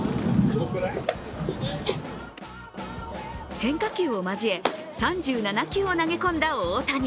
変化球を交え３７球を投げ込んだ大谷。